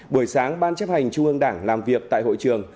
buổi sáng ban chấp hành trung ương đảng làm việc tại hội trường